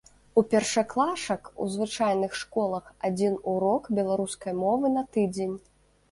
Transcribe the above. У першаклашак у звычайных школах адзін урок беларускай мовы на тыдзень.